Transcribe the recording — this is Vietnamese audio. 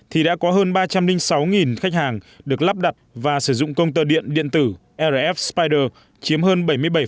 thì đã có hơn ba trăm linh sáu khách hàng được lắp đặt và sử dụng công tơ điện điện tử rf spider chiếm hơn bảy mươi bảy